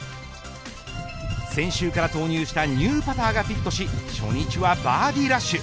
先週から投入したニューパターがフィットし初日はバーディーラッシュ。